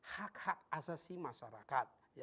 hak hak asasi masyarakat